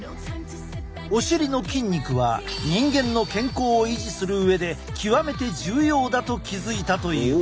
お尻の筋肉は人間の健康を維持する上で極めて重要だと気付いたという。